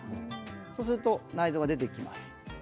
そうすると内臓が出てきます。